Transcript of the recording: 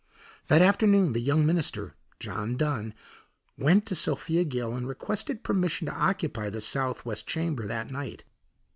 That afternoon the young minister, John Dunn, went to Sophia Gill and requested permission to occupy the southwest chamber that night.